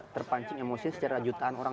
terpancing emosi secara jutaan orang